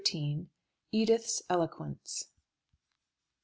EDITH'S ELOQUENCE.